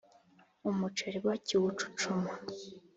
umuceri bakiwucucuma